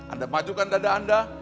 anda majukan dada anda